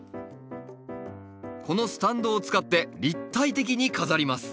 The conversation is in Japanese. このスタンドを使って立体的に飾ります。